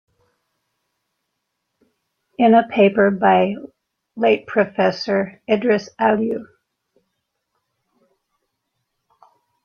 In a paper by late Professor Idrees Aliyu A.